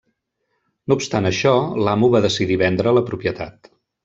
No obstant això, l'amo va decidir vendre la propietat.